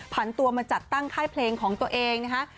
ผ่านตัวมาจัดตั้งค่ายเพลงของตัวเองนะคะ